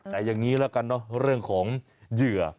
แต่อย่างนี้ละกันเนอะเรื่องของเหยื่อ